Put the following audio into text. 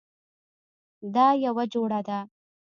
او دا یوه جوړه ده